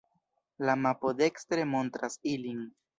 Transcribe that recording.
La mapo dekstre montras ilin.